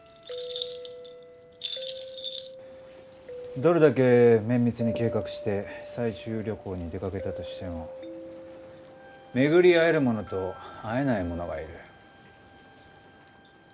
どれだけ綿密に計画して採集旅行に出かけたとしても巡り会える者と会えない者がいる。